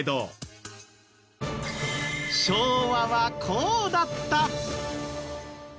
昭和はこうだった。